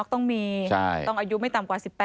ต้องมีต้องอายุไม่ต่ำกว่า๑๘